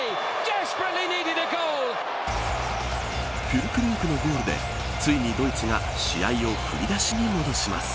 フュルクルークのゴールでついにドイツが試合を振りだしに戻します。